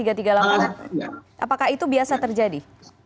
apakah itu biasa terjadi